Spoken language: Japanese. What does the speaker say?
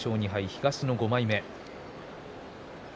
東の５枚目です。